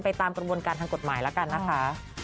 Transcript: ตามกระบวนการทางกฎหมายแล้วกันนะคะ